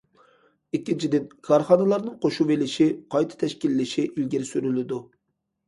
ئىككىنچىدىن، كارخانىلارنىڭ قوشۇۋېلىشى، قايتا تەشكىللىشى ئىلگىرى سۈرۈلىدۇ.